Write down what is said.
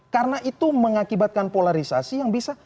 karena itu mengakibatkan polarisasi yang bisa